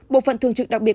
bộ phận thường trực đặc biệt